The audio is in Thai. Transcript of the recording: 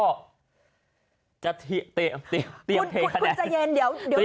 คุณใจเย็นเดี๋ยวเดี๋ยวเดี๋ยว